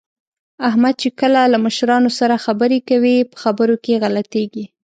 احمد چې کله له مشرانو سره خبرې کوي، په خبرو کې غلطېږي